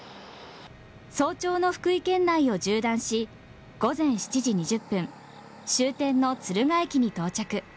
早朝の福井県内を縦断し、午前７時２０分、終点の敦賀駅に到着。